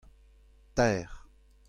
teir.